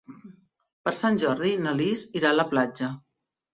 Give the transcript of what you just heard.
Per Sant Jordi na Lis irà a la platja.